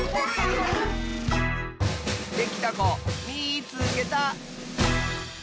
できたこみいつけた！